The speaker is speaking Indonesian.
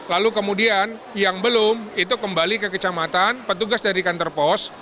lalu kemudian yang belum itu kembali ke kecamatan petugas dari kantor pos